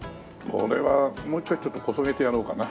これはもう一回ちょっとこそげてやろうかな。